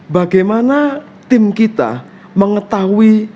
bagaimana tim kita mengetahui